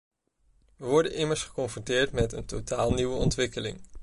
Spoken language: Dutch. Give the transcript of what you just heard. We worden immers geconfronteerd met een totaal nieuwe ontwikkeling.